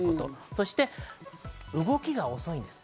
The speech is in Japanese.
そして動きが遅いんです。